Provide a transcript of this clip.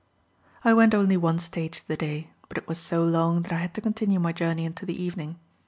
I went only one stage today, but it was so long, that I had to continue my journey into the evening.